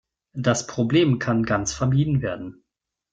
Das Problem kann ganz vermieden werden.